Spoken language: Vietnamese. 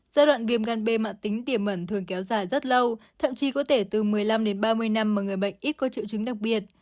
giai đoạn viêm gan b mạng tính tiềm mẩn thường kéo dài rất lâu thậm chí có thể từ một mươi năm đến ba mươi năm mà người bệnh ít có triệu chứng đặc biệt